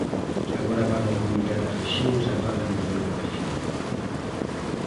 Agora van ao Comité das Rexións e falan da demografía.